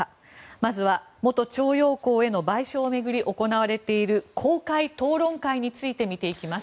まずは元徴用工への賠償を巡り行われている公開討論会について見ていきます。